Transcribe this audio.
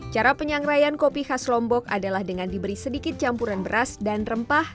cara penyangraian kopi khas lombok adalah dengan diberi sedikit campuran beras dan rempah